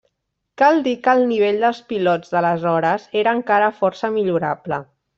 Cal dir que el nivell dels pilots d'aleshores era encara força millorable.